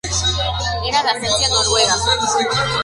Era de ascendencia noruega.